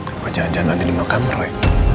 apa jangan jangan andi dimakam roy